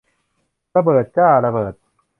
ระเบิดจ้า ระเบิด